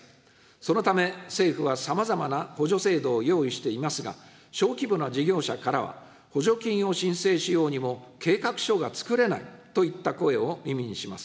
そのため、政府はさまざまな補助制度を用意していますが、小規模な事業者からは、補助金を申請しようにも計画書が作れないといった声を耳にします。